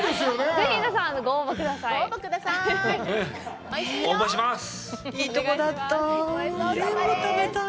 ぜひ皆さん、ご応募ください。